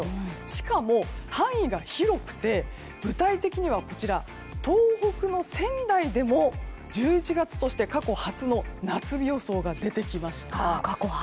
しかも、範囲が広くて具体的には東北の仙台でも１１月として過去初の夏日予想が出てきました。